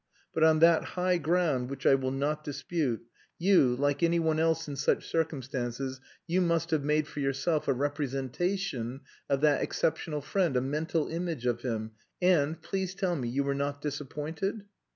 But on that high ground, which I will not dispute, you, like anyone else in such circumstances, you must have made for yourself a representation of that exceptional friend, a mental image of him, and please tell me you were not disappointed?"